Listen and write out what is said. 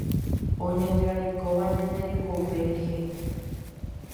Oñangarekóva ñande rekove rehe.